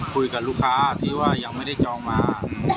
คุยกับลูกค้าที่ว่ายังไม่ได้จองมา